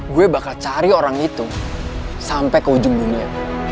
gue bakal cari orang itu sampai ke ujung dunia